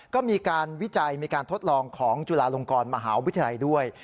ก็มีการวิจัยมีการทดลองของจุฬาลงกรมหาวิทยาลัยด้วย